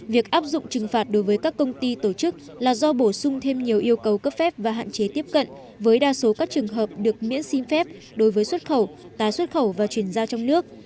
việc áp dụng trừng phạt đối với các công ty tổ chức là do bổ sung thêm nhiều yêu cầu cấp phép và hạn chế tiếp cận với đa số các trường hợp được miễn xin phép đối với xuất khẩu tái xuất khẩu và chuyển giao trong nước